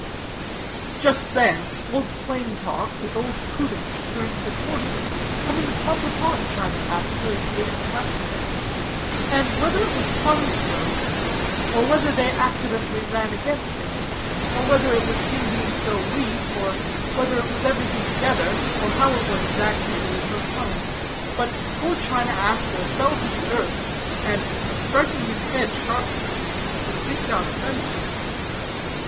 "Just then, Old Plain Talk with Old Prudence turned the corner, coming plump upon China Aster as the agent left him; and whether it was a sun stroke, or whether they accidentally ran against him, or whether it was his being so weak, or whether it was everything together, or how it was exactly, there is no telling, but poor China Aster fell to the earth, and, striking his head sharply, was picked up senseless.